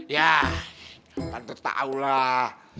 ya tante tau lah